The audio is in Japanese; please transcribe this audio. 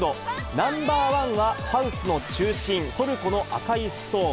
ナンバーワンはハウスの中心、トルコの赤いストーン。